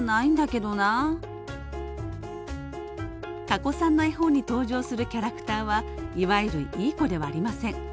かこさんの絵本に登場するキャラクターはいわゆるいい子ではありません。